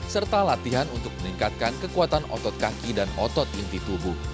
serta latihan untuk meningkatkan kekuatan otot kaki dan otot inti tubuh